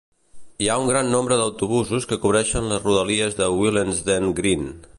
Hi ha un gran nombre d'autobusos que cobreixen les rodalies de Willesden Green.